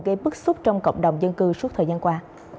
gây bức xúc trong cộng đồng dân cư suốt thời gian qua